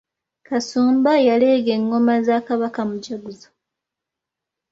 Kasumba y'aleega engoma za Kabaka, mujaguzo.